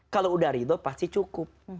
kalau udah ridho pasti cukup